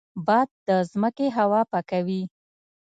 باد د ځمکې هوا پاکوي